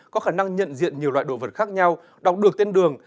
có khả năng nhận diện nhiều loại đồ vật khác nhau đọc được tên đường